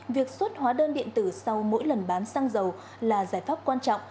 việc xuất hóa đơn điện tử sau mỗi lần bán xăng dầu là giải pháp quan trọng